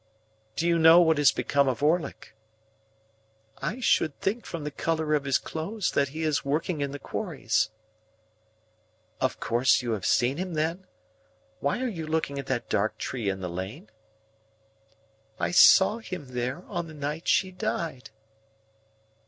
"Do you know what is become of Orlick?" "I should think from the colour of his clothes that he is working in the quarries." "Of course you have seen him then?—Why are you looking at that dark tree in the lane?" "I saw him there, on the night she died."